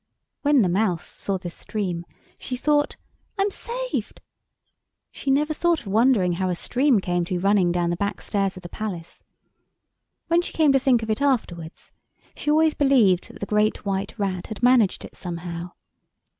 When the Mouse saw this stream, she thought, "I'm saved." She never thought of wondering how a stream came to be running down the back stairs of the palace. When she came to think of it afterwards she always believed that the Great White Rat had managed it somehow.